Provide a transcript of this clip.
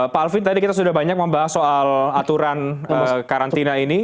pak alvin tadi kita sudah banyak membahas soal aturan karantina ini